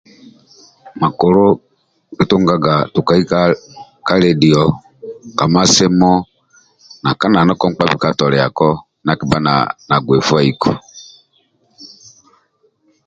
Makulu kikikutungaga tukai ka ledio kama simu na ka nanoko nkpa bika toliako ndia akibha nabgei fuwaiku